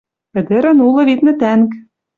Ӹдӹрӹн улы, виднӹ, тӓнг.